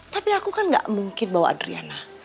tapi aku kan gak mungkin bawa adriana